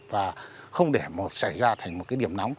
và không để xảy ra thành một điểm nóng